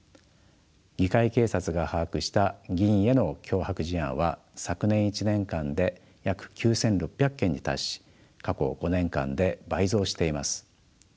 議会警察が把握した議員への脅迫事案は昨年１年間で約９，６００件に達し過去５年間で倍増しています。